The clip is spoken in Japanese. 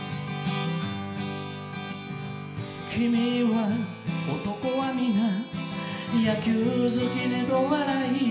「君は男は皆野球好きねと笑い」